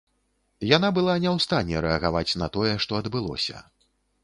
Яна была не ў стане рэагаваць на тое, што адбылося.